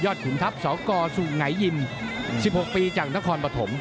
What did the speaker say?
ยอดขุนทัพสกสุไงยิม๑๖ปีจากนครปฐม